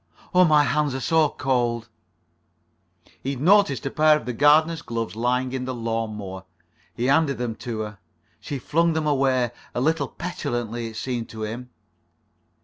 Oh, my hands are so cold." He had noticed a pair of the gardener's gloves lying [Pg 48]on the lawn mower. He handed them to her. She flung them away, a little petulantly it seemed to him.